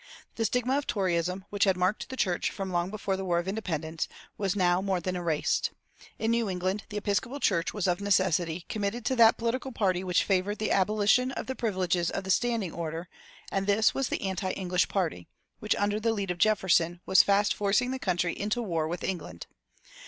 The stigma of Toryism, which had marked the church from long before the War of Independence, was now more than erased. In New England the Episcopal Church was of necessity committed to that political party which favored the abolition of the privileges of the standing order; and this was the anti English party, which, under the lead of Jefferson, was fast forcing the country into war with England.